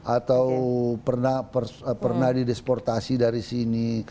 atau pernah di desportasi dari sini